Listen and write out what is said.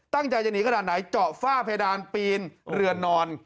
ตั้งใจจะหนีขนาดไหนเจาะฝ้าเพดานปีนเรือนนอน